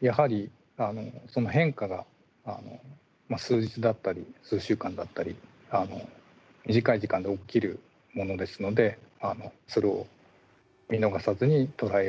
やはり変化が数日だったり数週間だったり短い時間で起きるものですのでそれを見逃さずに捉えようということです。